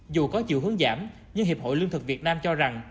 dù có chiều hướng giảm nhưng hiệp hội lương thực việt nam cho rằng